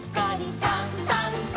「さんさんさん」